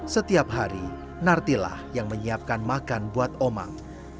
setiap hari narti lah yang menyiapkan makan buat omang